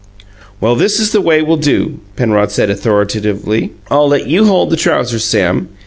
"Well, this is the way we'll do," Penrod said authoritatively: "I'll let you hold the trousers, Sam.